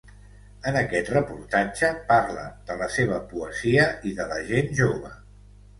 En aquest reportatge parla de la seva poesia i de la gent jove.